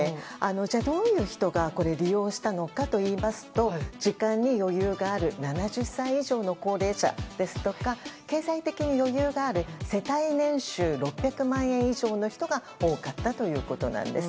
じゃあ、どういう人が利用したのかといいますと時間に余裕がある７０歳以上の高齢者ですとか経済的に余裕がある世帯年収６００万円以上の人が多かったということなんです。